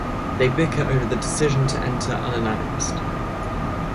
They bicker over the decision to enter unannounced.